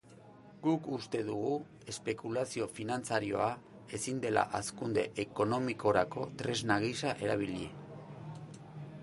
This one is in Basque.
Guk uste dugu espekulazio finantzarioa ezin dela hazkunde ekonomikorako tresna gisa erabili.